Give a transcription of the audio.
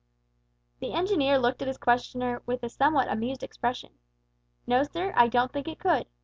The engineer looked at his questioner with a somewhat amused expression. "No, sir, I don't think it could.